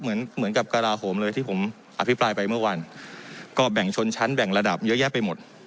เหมือนกับกระลาโหมเลยที่ผมอภิปรายไปเมื่อวันก็แบ่งชนชั้นแบ่งระดับเยอะแยะไปหมด